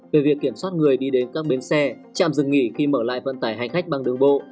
về việc kiểm soát người đi đến các bến xe trạm dừng nghỉ khi mở lại vận tải hành khách bằng đường bộ